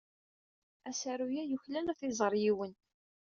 Asaru-a yuklal ad t-iẓer yiwen.